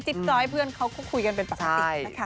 จ้อยเพื่อนเขาก็คุยกันเป็นปกตินะคะ